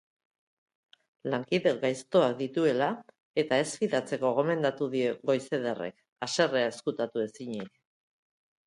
Lankide gaiztoak dituela eta ez fidatzeko gomendatu dio Goizederrek, haserrea ezkutatu ezinik.